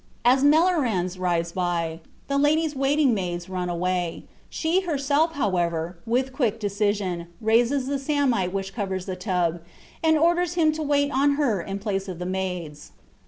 As Meleranz rides by, the lady's waiting maids run away; she herself, however, with quick decision, raises the samite which covers the tub, and orders him to wait on her in place of the maids.